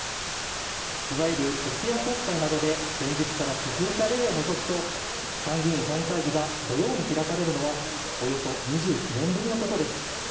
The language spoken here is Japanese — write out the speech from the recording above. いわゆる徹夜国会などで前日から続いた例を除くと参議院本会議が土曜日に開かれるのはおよそ２９年ぶりのことです。